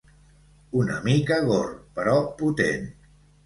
Una mica gore, però potent.